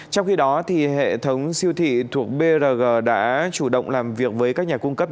trong khi đó hệ thống siêu thị thuộc brg đã chủ động làm việc với các nhà cung cấp